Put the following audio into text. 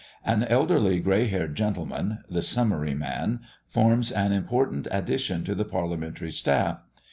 An elderly, grey haired gentleman the summary man forms an important addition to the Parliamentary staff.